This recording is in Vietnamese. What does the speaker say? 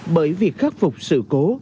bởi việc khắc phục sự cố